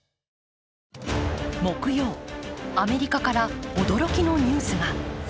木曜、アメリカから驚きのニュースが。